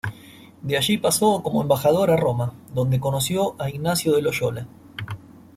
De allí pasó como embajador a Roma, donde conoció a Ignacio de Loyola.